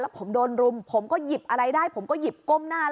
ผมโดนรุมผมก็หยิบอะไรได้ผมก็หยิบก้มหน้า